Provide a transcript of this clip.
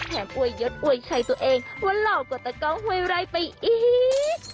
แทบเอวยยดเอวยชัยตัวเองว่าเหล่ากว่าตะกองห่วยไรไปอีท